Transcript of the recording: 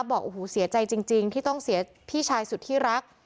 บอกโอ้โหเสียใจจริงที่ต้องเสียพี่ชายสุดที่รัก